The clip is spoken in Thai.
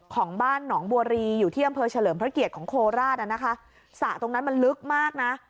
ของบ้านหนองบัวรีอยู่ที่อำเภอเฉลิมพระเกียรติของโคราชอ่ะนะคะสระตรงนั้นมันลึกมากนะ